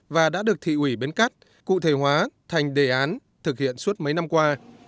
và đã được thị ủy bến cát cụ thể hóa thành đề án thực hiện suốt mấy năm qua